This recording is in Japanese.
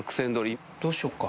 どうしよっか。